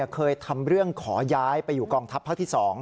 เคยทำเรื่องขอย้ายไปอยู่กองทัพภาคที่๒